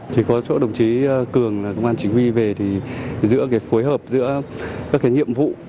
chỉ có chỗ đồng chí cường là công an chính quy về thì giữa cái phối hợp giữa các cái nhiệm vụ